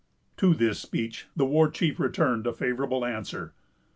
To this speech the war chief returned a favorable answer.